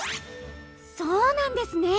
そうなんですね！